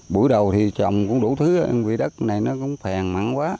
bữa đầu thì trồng cũng đủ thứ vì đất này nó cũng phèn mặn quá